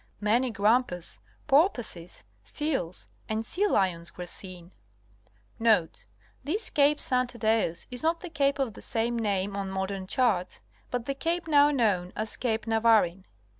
| Many grampus, porpoises, seals and sealions were seen (L.). Notes.—This Cape St. Thaddeus is not the cape of the same name on modern charts, but the cape now known as Cape Navarin.